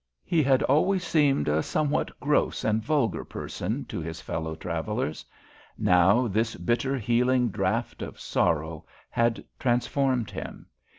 He had always seemed a somewhat gross and vulgar person to his fellow travellers. Now, this bitter healing draught of sorrow had transformed him.